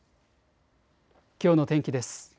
きょうの天気です。